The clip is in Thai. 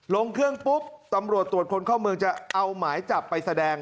ลงเครื่องปุ๊บตำรวจตรวจคนเข้าเมืองจะเอาหมายจับไปแสดง